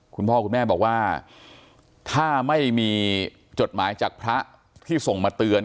คุณพ่อคุณแม่บอกว่าถ้าไม่มีจดหมายจากพระที่ส่งมาเตือน